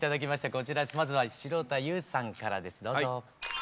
こちらまずは城田優さんからですどうぞ。